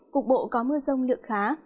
cục bộ có mưa rông lượng khá